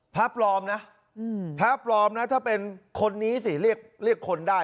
พระปลอมนะพระปลอมนะถ้าเป็นคนนี้สิเรียกคนได้